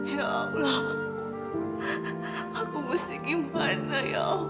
ya allah aku mesti gimana ya allah